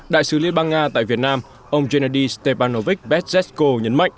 đại sứ liên bang nga tại việt nam ông gennady stepanovich petr zesko nhấn mạnh